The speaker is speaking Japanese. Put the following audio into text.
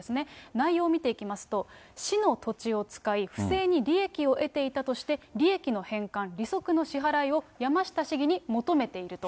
内容を見ていきますと、市の土地を使い、不正に利益を得ていたとして、利益の返還、利息の支払いを山下市議に求めていると。